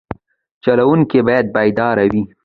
چلوونکی باید بیدار وي.